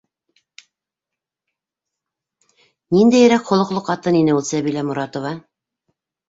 Ниндәйерәк холоҡло ҡатын ине ул Сәбилә Моратова?